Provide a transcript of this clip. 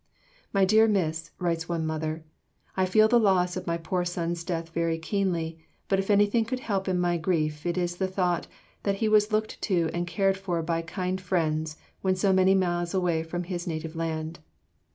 "My dear Miss," writes one mother, "I feel the loss of my poor son's death very keenly, but if anything could help my grief it is the thought that he was looked to and cared for by kind friends when so many miles away from his native land."